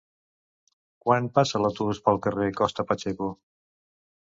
Quan passa l'autobús pel carrer Costa Pacheco?